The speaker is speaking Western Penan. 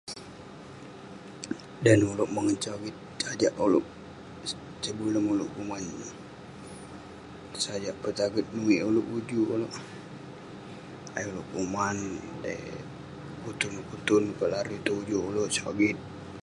Dan ulouk mongen sogit, sajak ulouk, sebelum ulouk kuman..sajak petaget nuwik ulouk ujuk ulouk..ayuk ulouk kuman..dey kutun kutun larui tong ujuk ulouk, sogit..